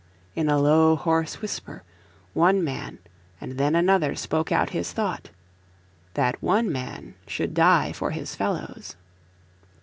In a low hoarse whisper one man and then another spoke out his thought that one man should die for his fellows.